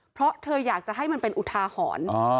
เพราะเธออยากจะให้มันเป็นอุทาหรณ์